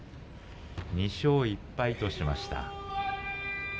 ２勝１敗としました。